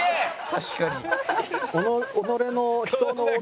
確かに。